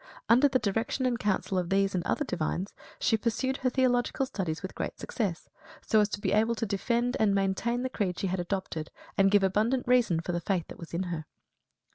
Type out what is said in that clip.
Under the direction and counsel of these and other divines she pursued her theological studies with great success, so as to be able to defend and maintain the creed she had adopted, and give abundant reason for the faith that was in her.